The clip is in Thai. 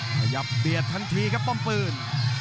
ขยับเบียดทันทีครับป้อมปืน